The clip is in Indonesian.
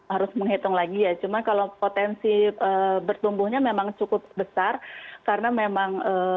harus menghitung lagi ya cuma kalau potensi bertumbuhnya memang cukup besar karena memang